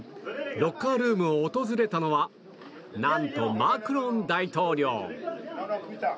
ロッカールームを訪れたのは何とマクロン大統領。